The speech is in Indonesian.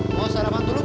eva mau sarapan dulu gak